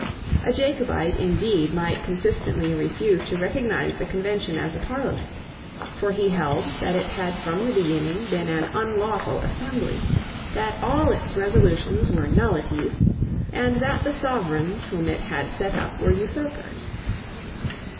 A Jacobite indeed might consistently refuse to recognise the Convention as a Parliament. For he held that it had from the beginning been an unlawful assembly, that all its resolutions were nullities, and that the Sovereigns whom it had set up were usurpers.